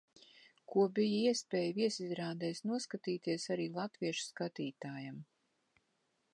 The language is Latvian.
Ko bija iespēja viesizrādēs noskatīties arī latviešu skatītājam.